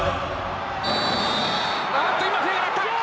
あっと今笛が鳴った。